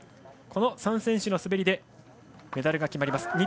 この３選手の滑りでメダルが決まります。